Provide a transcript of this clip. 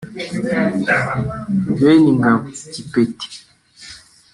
Beningabo (Kipeti)